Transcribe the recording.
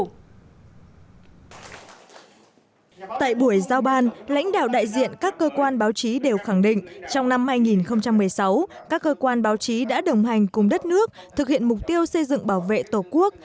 tại buổi giao ban lãnh đạo đại diện các cơ quan báo chí đều khẳng định trong năm hai nghìn một mươi sáu các cơ quan báo chí đã đồng hành cùng đất nước thực hiện mục tiêu xây dựng bảo vệ tổ quốc